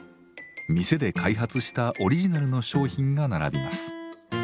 店で開発したオリジナルの商品が並びます。